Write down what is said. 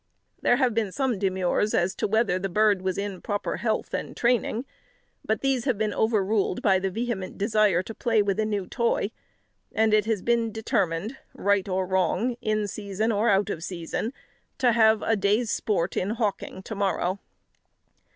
There have been some demurs as to whether the bird was in proper health and training; but these have been overruled by the vehement desire to play with a new toy; and it has been determined, right or wrong, in season or out of season, to have a day's sport in hawking to morrow.